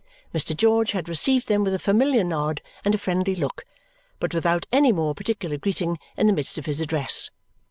Mr. George had received them with a familiar nod and a friendly look, but without any more particular greeting in the midst of his address.